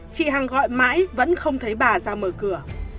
chị hằng gọi mãi vẫn không thấy bà ra mở cửa